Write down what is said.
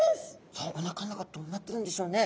さあおなかの中どうなってるんでしょうね。